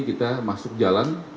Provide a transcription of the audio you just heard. kita masuk jalan